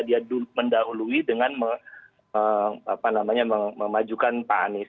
dia mendahului dengan memajukan pak anies